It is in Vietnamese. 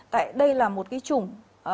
tại đây là một cái chủng